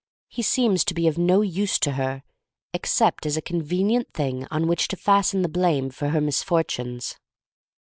He seems to be of no use to her — except as a convenient thing on which to fasten the blame for her misfortunes.